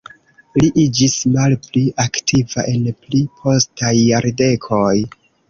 Li iĝis malpli aktiva en pli postaj jardekoj.